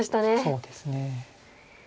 そうですね。